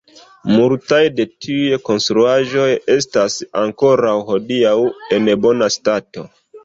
Multaj de tiuj konstruaĵoj estas ankoraŭ hodiaŭ en bona stato.